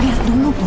lihat dulu bu